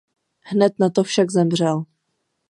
Hned nato však zemřel.